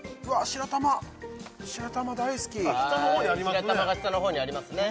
白玉が下の方にありますね